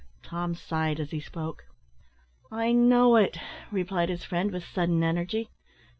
Tom sighed as he spoke. "I know it," replied his friend, with sadden energy.